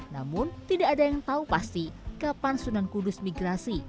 namun tidak ada yang tahu pasti kapan sunan kudus migrasi